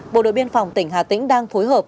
bộ đội biên phòng tỉnh hà tĩnh đang phối hợp